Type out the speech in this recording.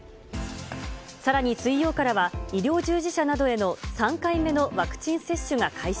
さらに水曜からは医療従事者などへの３回目のワクチン接種が開始。